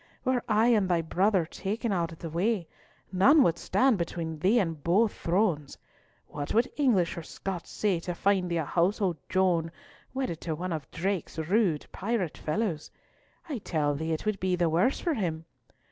Were I and thy brother taken out of the way, none would stand between thee and both thrones! What would English or Scots say to find thee a household Joan, wedded to one of Drake's rude pirate fellows? I tell thee it would be the worse for him.